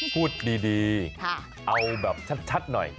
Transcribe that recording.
พูดดีเอาแบบชัดหน่อย